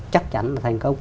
chắc chắn là thành công